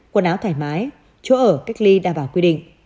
quần áo thoải mái chỗ ở cách ly đảm bảo quy định